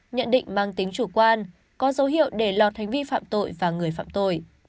nhận định mang tính chủ quan có dấu hiệu để lọt hành vi phạm tội và người phạm tội